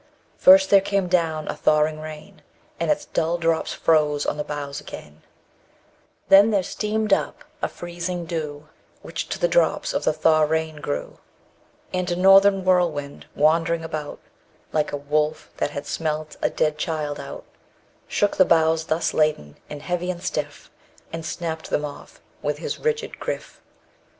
First there came down a thawing rain And its dull drops froze on the boughs again; Then there steamed up a freezing dew Which to the drops of the thaw rain grew; _105 And a northern whirlwind, wandering about Like a wolf that had smelt a dead child out, Shook the boughs thus laden, and heavy, and stiff, And snapped them off with his rigid griff.